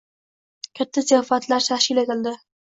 Katta ziyofat tashkil etildi